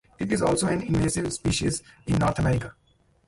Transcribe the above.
It is also an invasive species in North America.